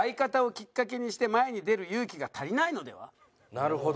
なるほど。